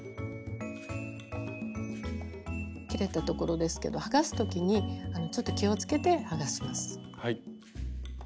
切れたところですけど剥がす時にちょっと気をつけて剥がします。